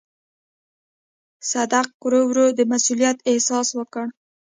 صدک ورو ورو د مسووليت احساس وکړ.